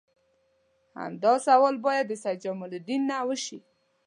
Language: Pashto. همدا سوال باید د سید جمال الدین نه وشي.